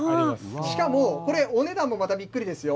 しかも、これ、お値段もまたびっくりですよ。